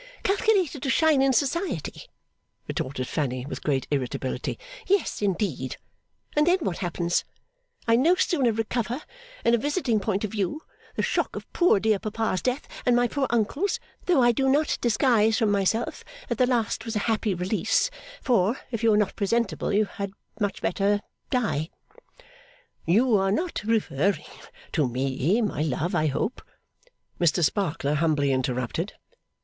'Calculated to shine in society,' retorted Fanny with great irritability; 'yes, indeed! And then what happens? I no sooner recover, in a visiting point of view, the shock of poor dear papa's death, and my poor uncle's though I do not disguise from myself that the last was a happy release, for, if you are not presentable you had much better die ' 'You are not referring to me, my love, I hope?' Mr Sparkler humbly interrupted.